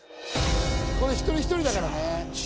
これ一人一人だからね。